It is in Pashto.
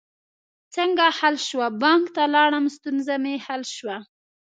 څنګه حل شوه؟ بانک ته لاړم، ستونزه می حل شوه